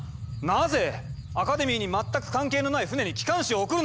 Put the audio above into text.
なぜ⁉アカデミーに全く関係のない船に機関士を送るなんて！